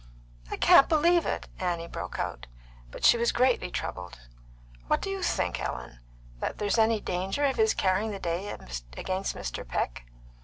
"I can't believe it," Annie broke out, but she was greatly troubled. "What do you think, Ellen; that there's any danger of his carrying the day against Mr. Peck?"